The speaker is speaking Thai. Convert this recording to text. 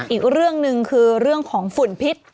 อีกเรื่องหนึ่งคือเรื่องของฝุ่นพิษ